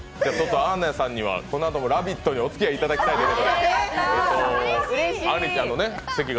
アーニャさんにはこのあとも「ラヴィット！」にお付き合いいただきたいです。